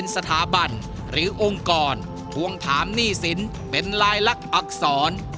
สินเป็นลายลักษณ์อักษร